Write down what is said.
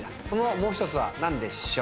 もう１つは何でしょう？